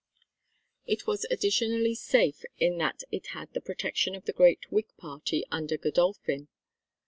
It was additionally safe in that it had the protection of the great Whig Party under Godolphin.